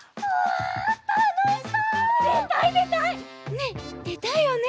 ねえでたいよね？